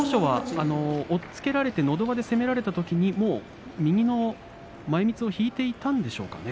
押っつけられてのど輪で攻められたときに右の前みつは引いていましたか。